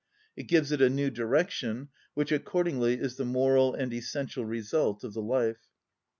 It gives it a new direction, which accordingly is the moral and essential result of the life.